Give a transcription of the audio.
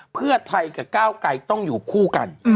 เพื่อไทยกับก้าวไกรต้องอยู่คู่กัน